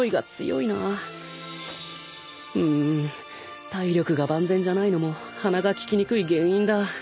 うん体力が万全じゃないのも鼻が利きにくい原因だ。